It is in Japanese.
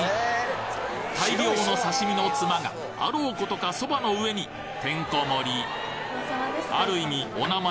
大量の刺身のツマがあろうことかそばの上にてんこ盛りある意味お名前